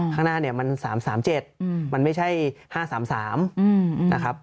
ข้างหน้าเนี่ยมัน๓๓๗มันไม่ใช่๕๓๓นะครับ